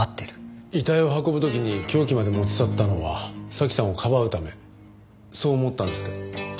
遺体を運ぶ時に凶器まで持ち去ったのは早紀さんをかばうためそう思ったんですけど。